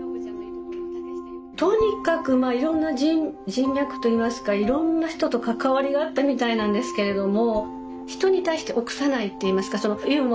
とにかくまあいろんな人脈といいますかいろんな人と関わりがあったみたいなんですけれども。